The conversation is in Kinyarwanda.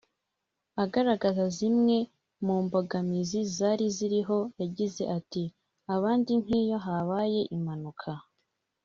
Agaragaza zimwe mu mbogamizi zari ziriho yagize ati “Abandi nk’iyo habaye impanuka